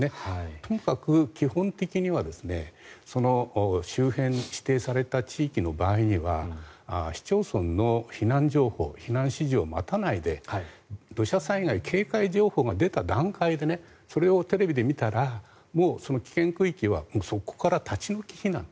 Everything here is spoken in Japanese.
とにかく基本的には指定された地域の場合には市町村の避難情報避難指示を待たないで土砂災害警戒情報が出た段階でそれをテレビで見たらもう危険区域はそこから立ち退き避難。